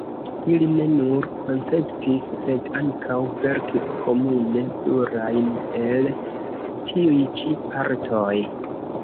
Ili ne nur konceptis, sed ankaŭ verkis komune plurajn el tiuj ĉi partoj.